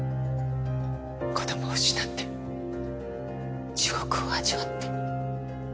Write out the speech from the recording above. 子供を失って地獄を味わって。